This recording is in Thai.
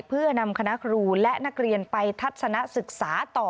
เพื่อนำคณะครูและนักเรียนไปทัศนะศึกษาต่อ